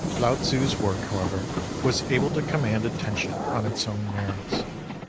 Lao Tzu's work, however, was able to command attention on its own merits.